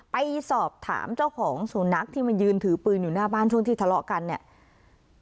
ไปสอบถามเจ้าของสุนัขที่มายืนถือปืนอยู่หน้าบ้านช่วงที่ทะเลาะกันเนี่ย